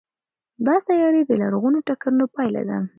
دا سیارې د لرغونو ټکرونو پایله ده.